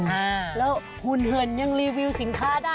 อ่าแล้วหุ่นเหินยังรีวิวสินค้าได้